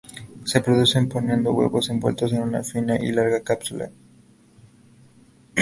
Se reproducen poniendo huevos envueltos en una fina y larga cápsula.